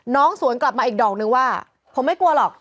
สวนกลับมาอีกดอกนึงว่าผมไม่กลัวหรอก